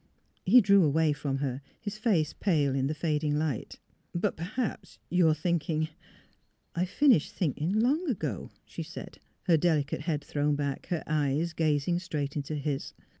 " He drew away from her, his face pale in the fading light. '' But perhaps you are thinking "'' I have finished thinking, long ago," she said, her delicate head thrown back, her eyes gazing straight into his.